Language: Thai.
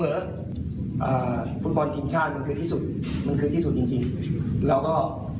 เอออ่าฟุตบอลทีมชาติมันคือที่สุดมันคือที่สุดจริงจริงแล้วก็